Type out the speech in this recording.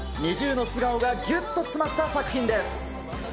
ＮｉｚｉＵの素顔がぎゅっと詰まった作品です。